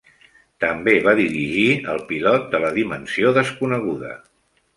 També va dirigir el pilot de "La Dimensió Desconeguda".